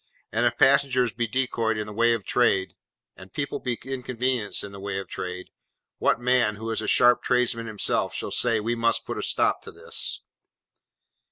And if passengers be decoyed in the way of trade, and people be inconvenienced in the way of trade, what man, who is a sharp tradesman himself, shall say, 'We must put a stop to this?